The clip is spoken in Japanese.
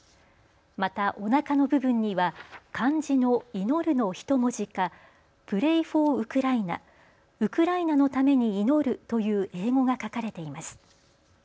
また、おなかの部分には漢字の祈のひと文字かＰＲＡＹｆｏｒＵＫＲＡＩＮＥ、ウクライナのために祈るという英語が書かれています。